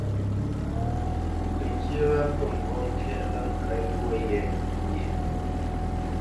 Təŋkyé wa kə ŋgɔ́ ŋkɛ̀ʼnə ŋkə̌t lwó ye myéʼ.